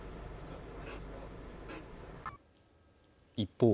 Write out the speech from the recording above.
一方